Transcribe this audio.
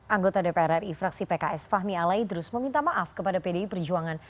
anggota dpr ri fraksi pks fahmi alaidrus meminta maaf kepada pdi perjuangan